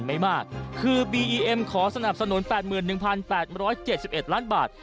ที่เพียงด้วยความสงสาร